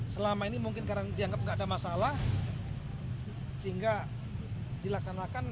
selama ini mungkin karena dianggap tidak ada masalah sehingga dilaksanakan